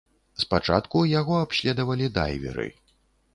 Спачатку яго абследавалі дайверы.